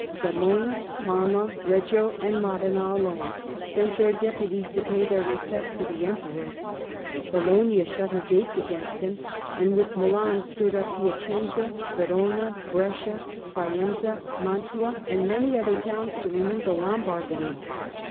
Cremona, Parma, Reggio, and Modena alone sent their deputies to pay their respects to the Emperor. Bologna shut her gates against him, and with Milan stirred up Piacenza, Verona, Brescia, Faenza, Mantua and many other towns to renew the Lombard League.